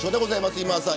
今田さん